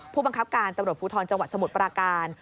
ผู้บังคับการตำรวจภูทรจังหวัดสมุทรปราการ